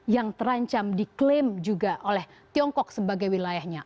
yang terancam diklaim juga oleh tiongkok sebagai wilayahnya